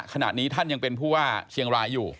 ขณะนี้ท่านยังเป็นผู้ว่าเชียงรายอยู่